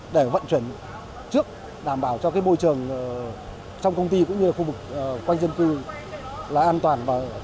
để vận chuyển trước đảm bảo cho môi trường trong công ty cũng như khu vực quanh dân cư là an toàn và tốt nhất